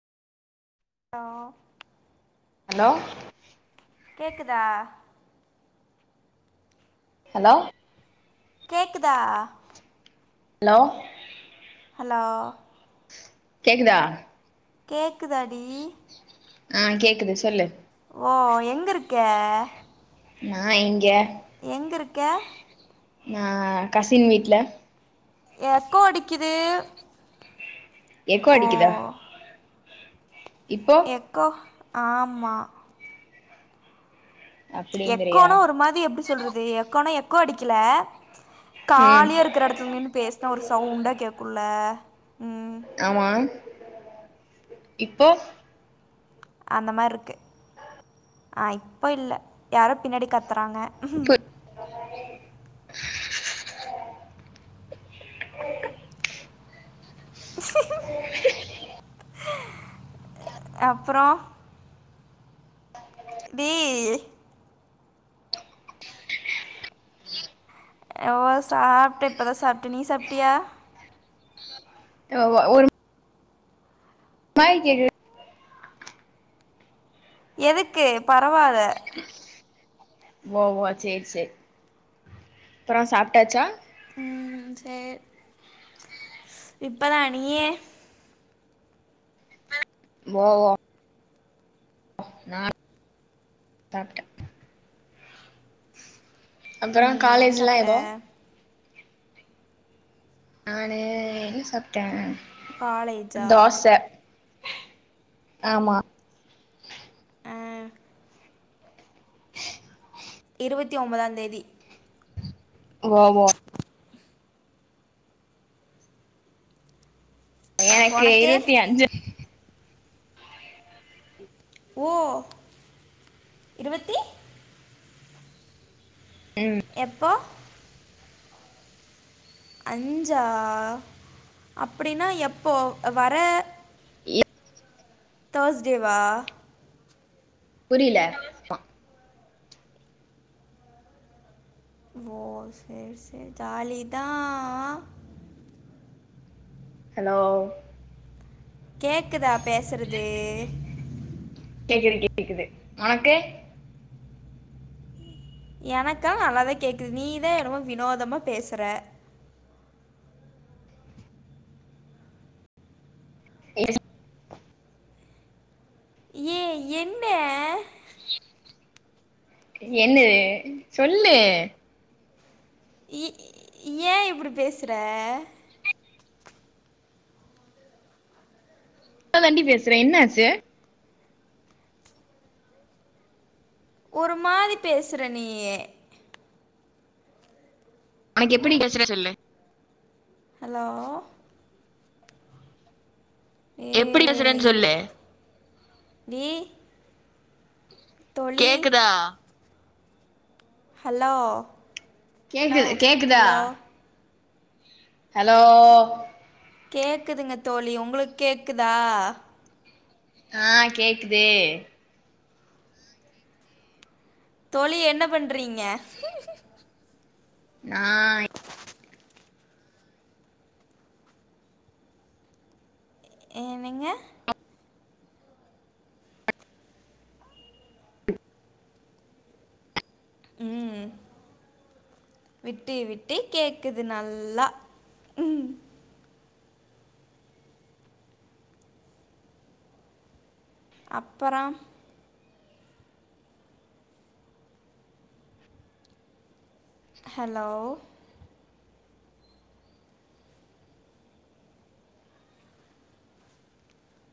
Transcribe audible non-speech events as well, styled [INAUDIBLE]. ஆ hello கேக்குதா? Hello கேக்குதா? Hello hello கேக்குதா? கேக்குதாடி? ஆஹ் கேக்குது சொல்லு ஓ எங்க இருக்க நான் இங்கே எங்க இருக்க ஆஹ கசின் வீட்டு்ல எக்கோ அடிக்குது எக்கோ ஓ அடிக்குதா இப்போ எக்கோ ஆமா அப்டிங்கிறியா எக்கோனா ஒரு மாதிரி எப்படி சொல்றது இது எக்கோனா எக்கோ அடிக்கல ம் காலியா இருக்கிற இடத்துல நின்னு பேசின ஒரு சவுண்டா கேக்கும் ல ஆமா இப்போ அந்த மாதிரி இருக்கு ஆ இப்போ இல்லை யாரோ பின்னாடி கத்துறாங்க உஹம் அப்புறம் டி ஓ சாப்பிட்டேன் இப்பதான் சாப்பிட்டேன் நீ சாப்பிட்டியா ஆ ஒரு மாரி கேக்குது எதுக்கு பரவா ல ஓஓ செரி செரி அப்புறம் சாப்பிட்டாச்சா உம் செரி இப்பதான் நீ ஓஹோ நான் சாப்பிட்டேன் அப்புறம் ம் என்ன காலேஜ்ல்லாம் சாப்பிட்ட ஏதோ நானு என்ன சாப்பிட்டேன் காலேஜா ஆமா இருவத்தி ஒன்பதாம் தேதி ஓஓ எனக்கு உனக்கே இருவத்தி அஞ்சு ஓ இருவத்தி ம் எப்போ அஞ்சா அப்டின்னா எப்போ வர ஏ தேஸ்டே வா புரில மா ஓ சேரி சேரி ஜாலிதா ஹாலோ கேக்குதா பேசறது கேக்குது கேக்குது ஒனக்கு எனக்கல்லா நல்லா கேக்குது நீதா என்னமோ வினோதமா பேசுற [INAUDIBLE] ஏ என்ன என்னது சொல்லு இ ஏ இப்டி பேசுற நல்லாதா டி பேசுறேன் என்ன ஆச்சு ஒரு மாரி பேசுற நீயி ஒனக்கு எப்டி பேசுற சொல்லு ஹலோ எப்புடி பேசுறேன் சொல்லு நீ கேக்குதா ஹலோ கேக்குது கேக்குதா ஹலோ ஹலோ கேக்குதுங்க தோழி ஒங்களுக்கு கேக்குதா ஆ கேக்குதே தோழி என்ன பண்றீங்க நா ஏனங்க ம் விட்டு விட்டு கேக்குது நல்லா ம் அப்பறம் ஹலோ